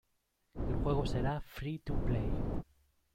El juego será free to play.